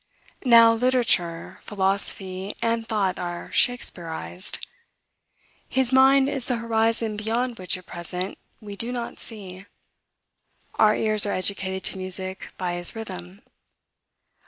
Now, literature, philosophy, and thought are Shakspearized. His mind is the horizon beyond which, at present, we do not see. Our ears are educated to music by his rhythm.